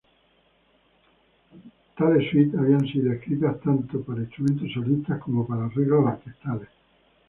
Tales suites habían sido escritas tanto para instrumentos solistas como para arreglos orquestales.